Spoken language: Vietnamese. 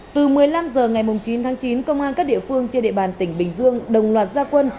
từ một mươi năm h ngày chín tháng chín công an các địa phương trên địa bàn tỉnh bình dương đồng loạt gia quân